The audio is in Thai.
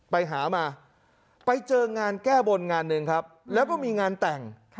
ไปหามาไปเจองานแก้บนงานหนึ่งครับแล้วก็มีงานแต่ง